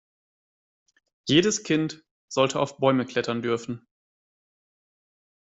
Jedes Kind sollte auf Bäume klettern dürfen.